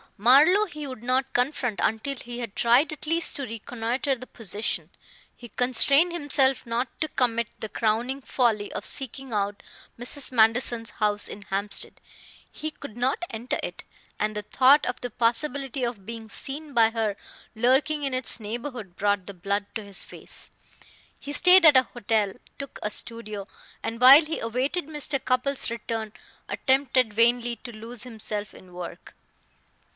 Marlowe he would not confront until he had tried at least to reconnoiter the position. He constrained himself not to commit the crowning folly of seeking out Mrs. Manderson's house in Hampstead; he could not enter it, and the thought of the possibility of being seen by her lurking in its neighborhood brought the blood to his face. He stayed at a hotel, took a studio, and while he awaited Mr. Cupples' return attempted vainly to lose himself in work.